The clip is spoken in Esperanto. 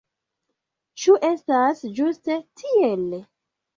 Ĉu estas ĝuste tiel?